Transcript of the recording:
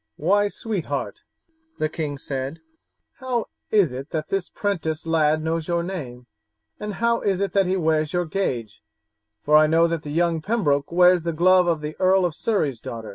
"Why, sweetheart," the king said, "how is it that this 'prentice lad knows your name, and how is it that he wears your gage, for I know that the young Pembroke wears the glove of the Earl of Surrey's daughter?"